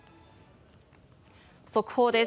速報です。